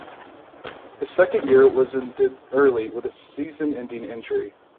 His second year was ended early with a season-ending injury.